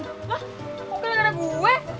hah kok gak gerah gue